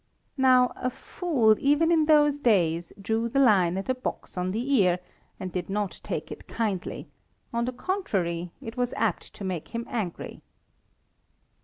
Now a fool, even in those days, drew the line at a box on the ear, and did not take it kindly; on the contrary, it was apt to make him angry.